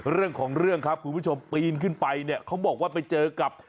เรื่องของเรื่องครับคุณผู้ชมปีนขึ้นไปเนี่ยเขาบอกว่าไปเจอกับ